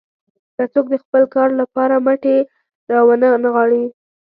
که څوک د خپل کار لپاره مټې راونه نغاړي.